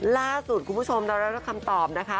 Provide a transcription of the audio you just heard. ล่าสุดคุณผู้ชมเราได้รับคำตอบนะคะ